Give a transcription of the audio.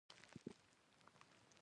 یعقوب بن لیث او عمرو لیث قدرت ته ورسېدل.